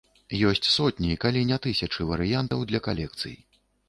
Ёсць сотні, калі не тысячы, варыянтаў для калекцый.